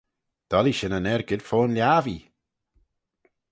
Dollee shin yn argid fo'n lhiabbee.